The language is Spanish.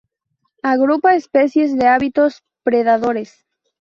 Agrupa especies de hábitos predadores.